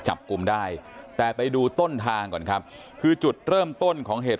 จับกลุ่มได้แต่ไปดูต้นทางก่อนครับคือจุดเริ่มต้นของเหตุ